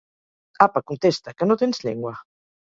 Apa, contesta: que no tens llengua?